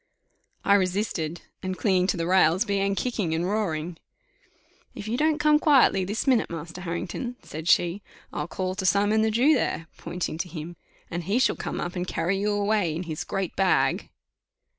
I resisted, and, clinging to the rails, began kicking and roaring. "If you don't come quietly this minute, Master Harrington," said she, "I'll call to Simon the Jew there," pointing to him, "and he shall come up and carry you away in his great bag."